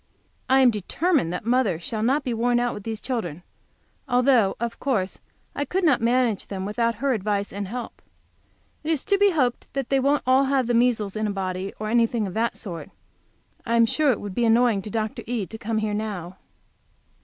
I am determined that mother shall not be worn out with these children, although of course I could not manage them without her advice and help. It is to be hoped they won't all have the measles in a body, or anything of that sort; I am sure it would be annoying to Dr. E. to come here now.